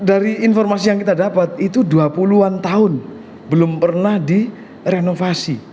dari informasi yang kita dapat itu dua puluh an tahun belum pernah direnovasi